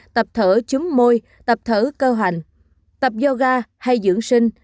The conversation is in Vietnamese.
tập thở chúm môi tập thở cơ hoành tập yoga hay dưỡng sinh